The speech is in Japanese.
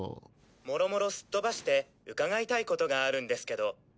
諸々すっ飛ばして伺いたい事があるんですけど。